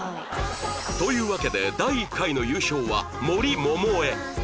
というわけで第１回の優勝は森萌々穂